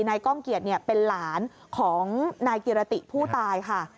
ก้องเกียจเป็นหลานของนายกิรติผู้ตายค่ะ